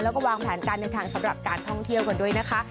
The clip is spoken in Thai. แล้วก็วางแผนการเดินทางสำหรับการท่องเที่ยวกันด้วยนะคะ